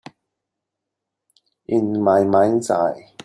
In my mind's eye